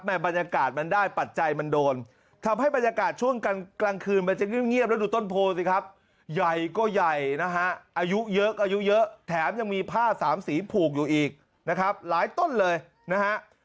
บรรยากาศมันได้ปัจจัยมันโดนทำให้บรรยากาศช่วงกลางคืนมันจะเงียบแล้วดูต้นโพสิครับใหญ่ก็ใหญ่นะฮะอายุเยอะก็อายุเยอะแถมยังมีผ้าสามสีผูกอยู่อีกนะครับหลายต้นเลยนะฮะ